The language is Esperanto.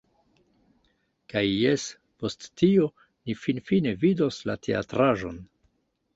Kaj jes, post tio, ni finfine vidos la teatraĵon